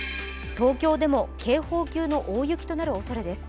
東京でも警報級の大雪となるおそれです。